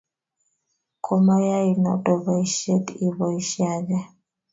Komayoe noto boishet, iboishee age